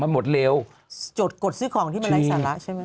มันหมดเร็วจดกดซื้อของที่มันไร้สาระใช่ไหม